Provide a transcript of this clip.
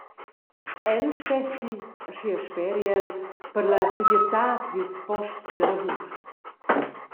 El stetti –aschia speri el –per la segirtad dils posts da lavur.